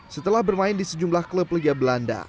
setelah bermain di sejumlah klub liga belanda